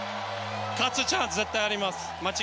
勝つチャンス絶対あります。